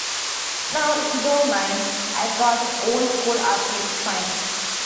Now, if you don't mind, I've got an old-school arcade to find.